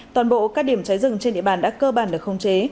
toàn bộ các điểm cháy rừng trên địa bàn đã cơ bản được không chế